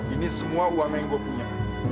ini semua uang yang gue punya